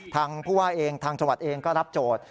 ทางผู้ว่าเองทางจังหวัดเองก็รับโจทย์